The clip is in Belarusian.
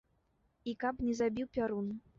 І каб не забіў пярун.